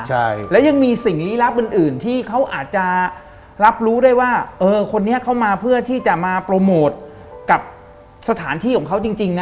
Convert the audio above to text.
ใช่แล้วยังมีสิ่งลี้ลับอื่นอื่นที่เขาอาจจะรับรู้ได้ว่าเออคนนี้เข้ามาเพื่อที่จะมาโปรโมทกับสถานที่ของเขาจริงนะ